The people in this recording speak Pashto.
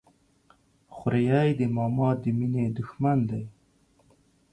خوريي د ماما د ميني د ښمن دى.